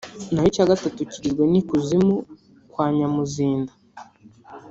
naho icya gatatu kigizwe n’i-Kuzimu kwa Nyamuzinda